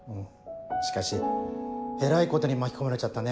しかしえらいことに巻き込まれちゃったね